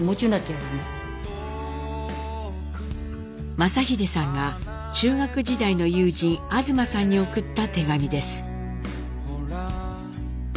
正英さんが中学時代の友人東さんに送った手紙です。